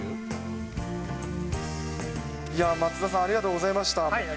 いやー、松田さん、ありがとうございました。